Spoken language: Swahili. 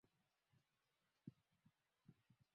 Caucasians Kwa hivyo kuonekana kwa Waturuki kulionekana